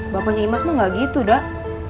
bapaknya imas mah gak gitu dah